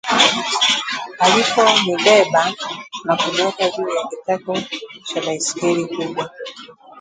Aliponibeba na kuniweka juu ya kitako cha baskeli kubwa